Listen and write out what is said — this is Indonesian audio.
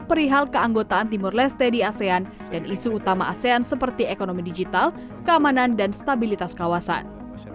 perihal keanggotaan timur leste di asean dan isu utama asean seperti ekonomi digital keamanan dan stabilitas kawasan